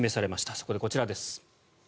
そこでこちらです。